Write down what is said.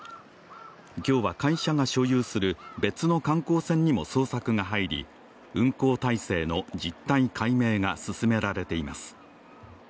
今日は会社が所有する別の観光船にも捜査が入り運航体制の実態解明が進められています。